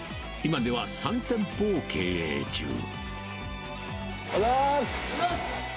今では３店舗を経営中。